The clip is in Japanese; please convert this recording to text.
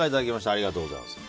ありがとうございます。